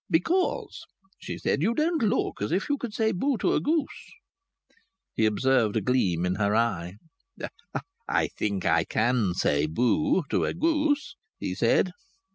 "Because," she said, "you don't look as if you could say 'Bo!' to a goose." He observed a gleam in her eye. "I think I can say 'Bo!' to a goose," he said.